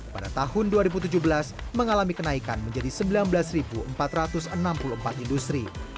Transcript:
pada tahun dua ribu tujuh belas mengalami kenaikan menjadi sembilan belas empat ratus enam puluh empat industri